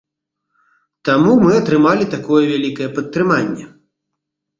Таму мы атрымалі такое вялікае падтрыманне.